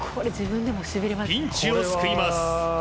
ピンチを救います。